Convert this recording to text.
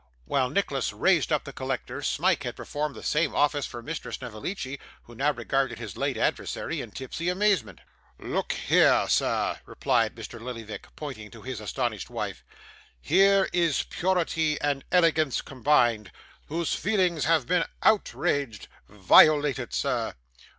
While Nicholas raised up the collector, Smike had performed the same office for Mr. Snevellicci, who now regarded his late adversary in tipsy amazement. 'Look here, sir,' replied Mr. Lillyvick, pointing to his astonished wife, 'here is purity and elegance combined, whose feelings have been outraged violated, sir!